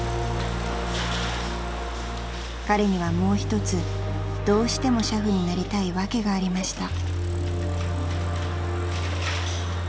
［彼にはもう一つどうしても俥夫になりたい訳がありました］